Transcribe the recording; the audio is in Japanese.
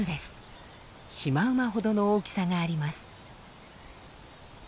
シマウマほどの大きさがあります。